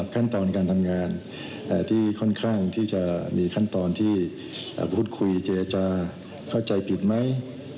ขั้นตอนการทำงานที่ค่อนข้างที่จะมีขั้นตอนที่พูดคุยเจรจาเข้าใจผิดไหม